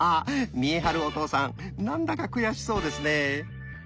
見栄晴お父さんなんだか悔しそうですね。